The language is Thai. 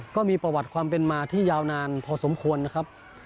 ก็มีประวัติความเป็นมาที่ยาวนานพอสมควรนะครับ